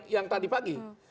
yang tadi pagi